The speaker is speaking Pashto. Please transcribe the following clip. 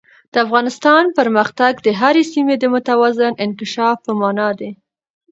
د افغانستان پرمختګ د هرې سیمې د متوازن انکشاف په مانا دی.